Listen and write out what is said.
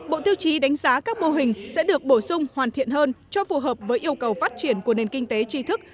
bộ tiêu chí đánh giá các mô hình sẽ được bổ sung hoàn thiện hơn cho phù hợp với yêu cầu phát triển của nền kinh tế tri thức